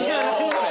それ！